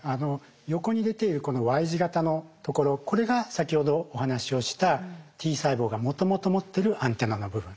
横に出ているこのＹ字型のところこれが先ほどお話をしたＴ細胞がもともと持ってるアンテナの部分。